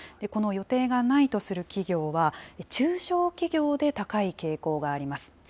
この予定がないとする企業は、中小企業で高い傾向があります。